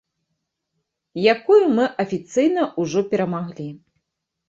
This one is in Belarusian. Якую мы афіцыйна ўжо перамаглі.